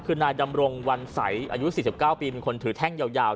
คือนายดำรงวันใสอายุ๔๙ปีเป็นคนถือแท่งยาว